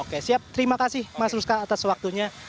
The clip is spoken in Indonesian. oke siap terima kasih mas luska atas waktunya